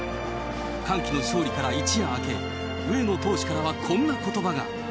歓喜の勝利から一夜明け、上野投手からはこんなことばが。